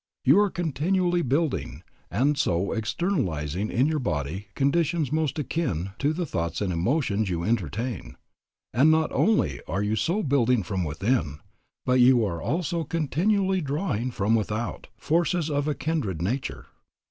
You are continually building, and so externalizing in your body conditions most akin to the thoughts and emotions you entertain. And not only are you so building from within, but you are also continually drawing from without, forces of a kindred nature.